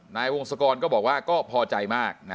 นายวงศกรก็บอกว่าก็พอใจมาก